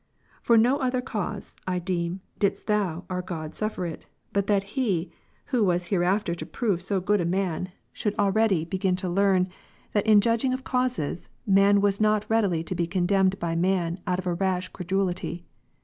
For no other cause, I deem, didst Thou, our God, suffer it, but that he, who was hereafter to prove so great a man. God instructs beforehand whom He employs. 97 should already begin to learn, that in judging of causes, man was not readily to be condemned by man out of a rash credulity.